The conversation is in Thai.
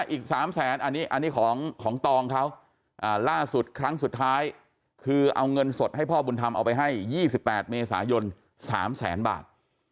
อีก๓แสนอันนี้ของตองเขาล่าสุดครั้งสุดท้ายคือเอาเงินสดให้พ่อบุญธรรมเอาไปให้๒๘เมษายน๓แสนบาท